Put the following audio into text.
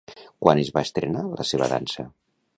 Quan es va estrenar la seva dansa?